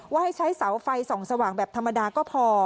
ให้ใช้เสาไฟส่องสว่างแบบธรรมดาก็พอ